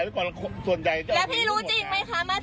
ช่วยด้วยเวลาวิทยอภัยช่วยด้วยทั้งความรู้สึก